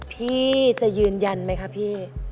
พี่จะยืนยันไหมคะพี่